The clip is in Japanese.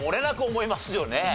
思いますよ。